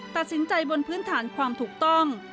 ตัดสินใจบนพื้นฐานความถูกต้อง